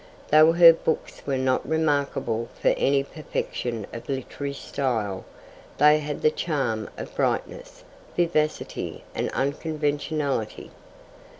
Though her books were not remarkable for any perfection of literary style, they had the charm of brightness, vivacity, and unconventionality.